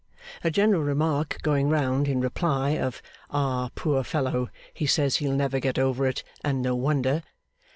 A general remark going round, in reply, of 'Ah, poor fellow, he says he'll never get over it; and no wonder!